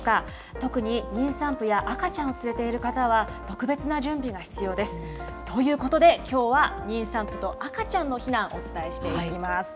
特に妊産婦や赤ちゃんを連れている方は、特別な準備が必要です。ということできょうは、妊産婦と赤ちゃんの避難、お伝えしていきます。